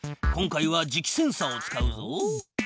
今回は磁気センサを使うぞ。